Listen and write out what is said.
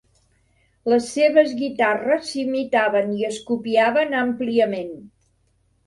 Les seves guitarres s'imitaven i es copiaven àmpliament.